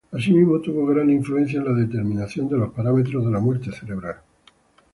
Asimismo tuvo gran influencia en la determinación de los parámetros de la muerte cerebral.